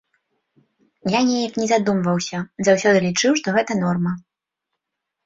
Я неяк не задумваўся, заўсёды лічыў, што гэта норма.